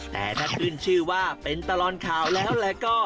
แต่ถ้าขึ้นชื่อว่าเป็นตลอดข่าวแล้วแล้วก็